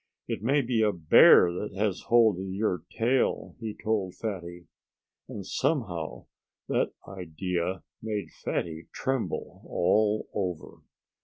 "It may be a bear that has hold of your tail," he told Fatty. And somehow, that idea made Fatty tremble all over.